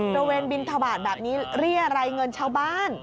ระเวนบินทบาทแบบนี้เรียรัยเงินชาวบ้าน